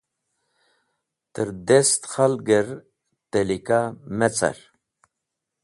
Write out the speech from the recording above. Tẽrdest khalgẽr tẽlika mecar.